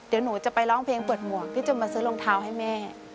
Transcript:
เดี๋ยวหนูจะไปร้องเพลงเปิดหมวกพี่จะมาซื้อรองเท้าให้แม่